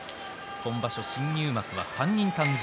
今場所、新入幕は３人誕生。